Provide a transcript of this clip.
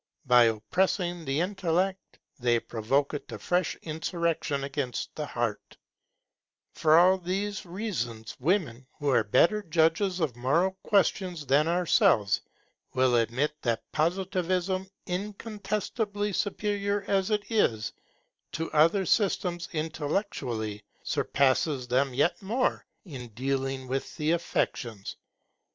By oppressing the intellect they provoke it to fresh insurrection against the heart. [Intellectual and moral affinities of women with Positivism] For all these reasons, women, who are better judges of moral questions than ourselves, will admit that Positivism, incontestably superior as it is to other systems intellectually, surpasses them yet more in dealing with the affections.